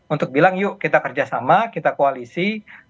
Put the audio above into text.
untuk bilang yuk kita kerjasama kita koalisi